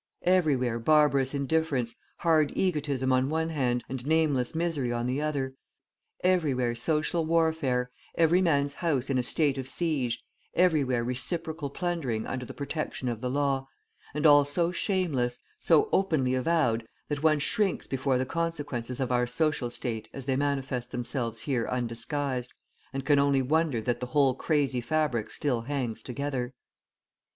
Everywhere barbarous indifference, hard egotism on one hand, and nameless misery on the other, everywhere social warfare, every man's house in a state of siege, everywhere reciprocal plundering under the protection of the law, and all so shameless, so openly avowed that one shrinks before the consequences of our social state as they manifest themselves here undisguised, and can only wonder that the whole crazy fabric still hangs together.